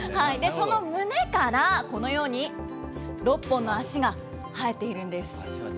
その胸からこのように、６本の足が生えているんです。